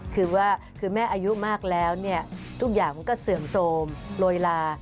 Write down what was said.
คือว่าคือแม่อายุมากแล้วเนี่ยทุกอย่างมันก็เสื่อมโทรมโรยลา